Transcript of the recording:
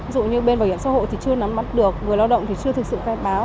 ví dụ như bên bảo hiểm xã hội thì chưa nắm mắt được người lao động thì chưa thực sự khai báo